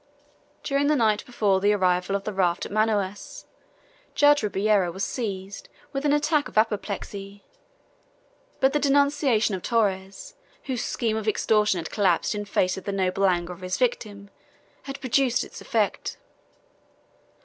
During the night before the arrival of the raft at Manaos Judge Ribeiro was seized with an attack of apoplexy. But the denunciation of Torres, whose scheme of extortion had collapsed in face of the noble anger of his victim, had produced its effect.